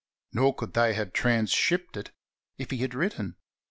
Nor could they have been transshipped if he had written.